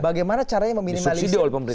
bagaimana caranya meminimalisir segala macam bentuk